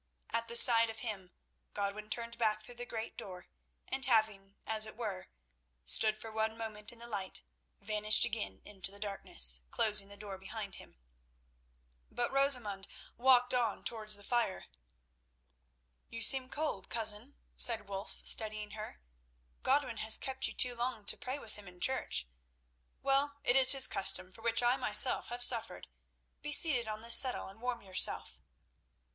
At the sight of him Godwin turned back through the great door, and having, as it were, stood for one moment in the light, vanished again into the darkness, closing the door behind him. But Rosamund walked on towards the fire. "You seem cold, cousin," said Wulf, studying her. "Godwin has kept you too long to pray with him in church. Well, it is his custom, from which I myself have suffered. Be seated on this settle and warm yourself."